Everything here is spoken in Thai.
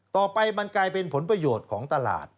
ต่อไปมันกลายเป็นผลประโยชน์ของตลาด